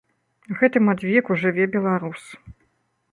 Гэтым адвеку жыве беларус.